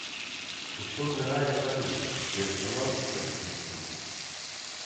Усё нырае па людзях, як галавы сабе не скруціць.